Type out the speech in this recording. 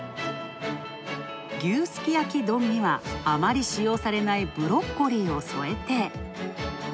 牛すき焼き丼にはあまり使用されないブロッコリーを添えて。